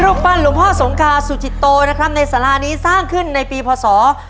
ปั้นหลวงพ่อสงกาสุจิตโตนะครับในสารานี้สร้างขึ้นในปีพศ๒๕๖